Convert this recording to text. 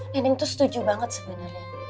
nenek tuh setuju banget sebenernya